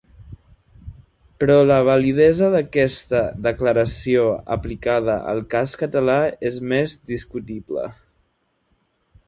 Però la validesa d’aquesta declaració aplicada al cas català és més discutible.